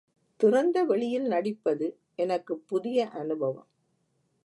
திறந்த வெளியில் நடிப்பது எனக்குப் புதிய அனுபவம்.